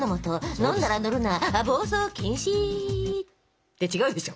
飲んだら乗るな暴走禁止！って違うでしょ！